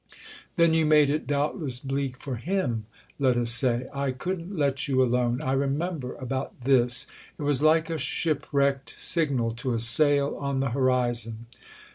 "Then you made it doubtless bleak for him, let us say. I couldn't let you alone, I remember, about this—it was like a shipwrecked signal to a sail on the horizon."